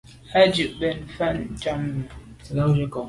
Á jí bɛ́n fá chàŋ mú.